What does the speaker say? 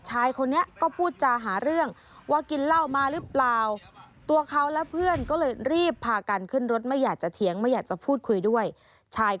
ชายคนนี้ก็พูดจาหาเรื่องว่ากินเหล้ามาหรือเปล่า